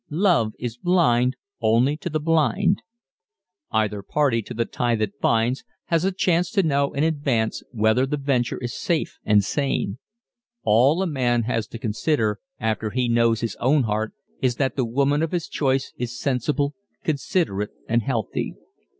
Love is blind only to the blind. Either party to the tie that binds has a chance to know in advance whether the venture is safe and sane. All a man has to consider after he knows his own heart is that the woman of his choice is sensible, considerate and healthy.